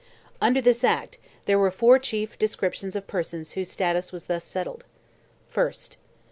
Under this Act, there were four chief descriptions of persons whose status was thus settled: 1st.